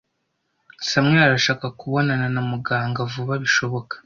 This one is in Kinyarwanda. Samuel arashaka kubonana na muganga vuba bishoboka.